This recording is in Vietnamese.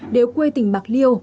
đều quê tỉnh bạc liêu